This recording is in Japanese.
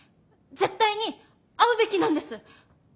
絶対に会うべきなんです！